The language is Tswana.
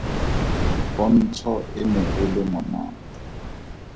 Pontsho e ne e le monate.